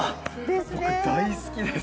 僕大好きです。